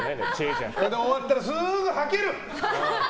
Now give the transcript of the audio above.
それで終わったら、すぐはける！